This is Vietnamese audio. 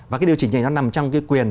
và cái điều chỉnh này nó nằm trong cái quyền